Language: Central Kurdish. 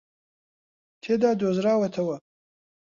تێدا دۆزراوەتەوە